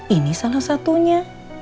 ini salah satunya